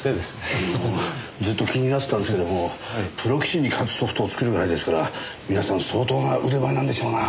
あのずっと気になってたんですけどもプロ棋士に勝つソフトを作るぐらいですから皆さん相当な腕前なんでしょうな。